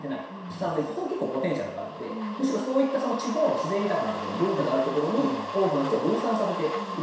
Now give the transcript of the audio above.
なのでここは結構ポテンシャルがあるのでむしろそういったその地方の自然豊かな所文化がある所に多くの人を分散させて入れていく。